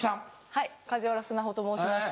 はい梶原沙帆と申します。